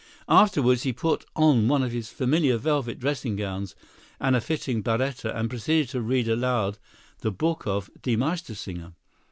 ] Afterwards he put on one of his familiar velvet dressing gowns and a fitting barretta, and proceeded to read aloud the book of 'Die Meistersinger.'